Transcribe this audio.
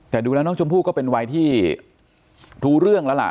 แต่ดูแล้วน้องชมพู่ก็เป็นวัยที่รู้เรื่องแล้วล่ะ